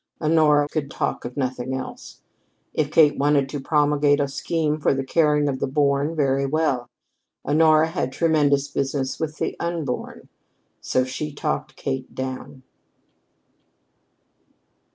Honora could talk of nothing else. If Kate wanted to promulgate a scheme for the caring for the Born, very well. Honora had a tremendous business with the Unborn. So she talked Kate down.